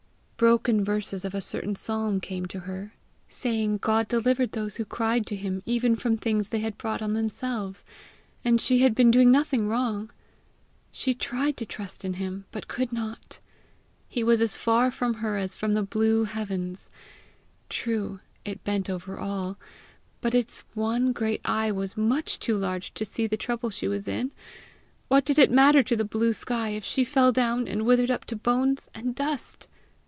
Broken verses of a certain psalm came to her, saying God delivered those who cried to him even from things they had brought on themselves, and she had been doing nothing wrong! She tried to trust in him, but could not: he was as far from her as the blue heavens! True, it bent over all, but its one great eye was much too large to see the trouble she was in! What did it matter to the blue sky if she fell down and withered up to bones and dust!